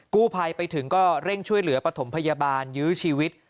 กู้ภัยไปถึงก็เร่งช่วยเหลือปฐมพยาบาลยื้อชีวิต